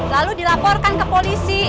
lalu dilaporkan ke polisi